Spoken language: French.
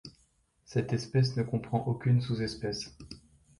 Cette espèce ne comprend aucune sous-espèce.